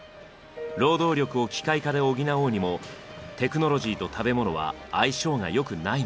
労働力を機械化で補おうにもテクノロジーと食べ物は相性がよくないのです。